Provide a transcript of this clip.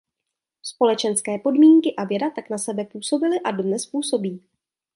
Společenské podmínky a věda tak na sebe působily a dodnes působí.